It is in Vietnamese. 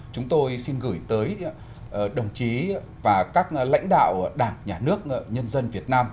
chúng tôi xin gửi tới đồng chí và các lãnh đạo đảng nhà nước nhân dân việt nam